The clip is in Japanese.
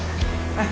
はい。